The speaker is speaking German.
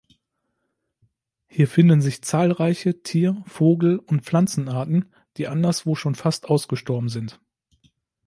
Hier finden sich zahlreiche Tier-, Vogel- und Pflanzenarten, die anderswo schon fast ausgestorben sind.